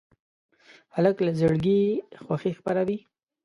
هلک له زړګي خوښي خپروي.